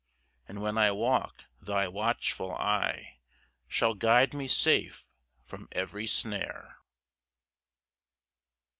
And when I walk, thy watchful eye Shall guide me safe from every snare.